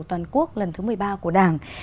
toàn quốc lần thứ một mươi ba của đảng